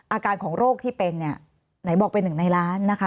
อาการของโรคที่เป็นเนี่ยไหนบอกเป็นหนึ่งในล้านนะคะ